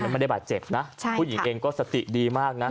ไม่ได้บาดเจ็บนะผู้หญิงเองก็สติดีมากนะ